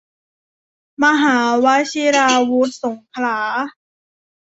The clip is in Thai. มหาวชิราวุธสงขลา